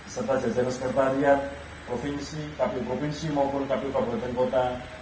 serta jajaran sekretariat provinsi kabupaten kota